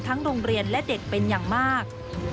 โรงเรียนและเด็กเป็นอย่างมาก